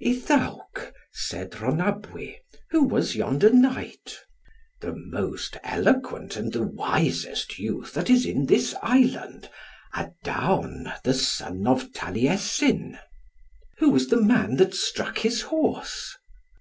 "Iddawc," said Rhonabwy, "who was yonder knight?" "The most eloquent and the wisest youth that is in this Island; Adaon the son of Taliesin." "Who was the man that struck his horse?"